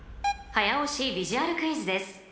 ［早押しビジュアルクイズです］